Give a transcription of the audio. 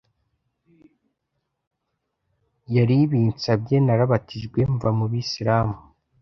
yaribinsabye narabatijwe mva mu bisiramu